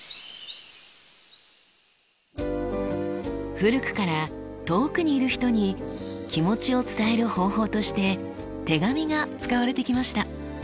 古くから遠くにいる人に気持ちを伝える方法として手紙が使われてきました。